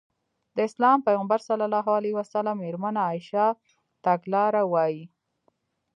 د اسلام پيغمبر ص مېرمنه عايشه تګلاره وايي.